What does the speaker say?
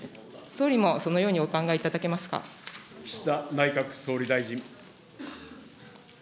総理もそのようにお考えいただけ岸田内閣総理大臣。